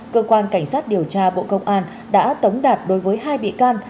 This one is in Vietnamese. cơ quan cảnh sát điều tra bộ công an đã tống đạt đối với hai bị can